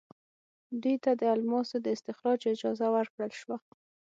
دوی ته د الماسو د استخراج اجازه ورکړل شوه.